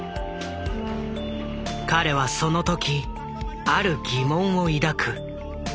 彼はその時ある疑問を抱く。